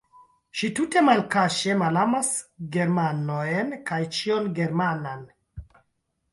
Ŝi tute malkaŝe malamas germanojn kaj ĉion germanan.